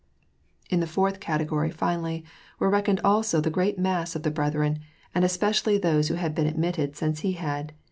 In the fourth category, finally, were reckoned also the great mass of the brethren, and especially those who had been admitted since he had.